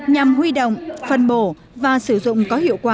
nhằm huy động phân bổ và sử dụng có hiệu quả